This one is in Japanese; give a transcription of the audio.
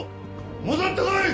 戻ってこい！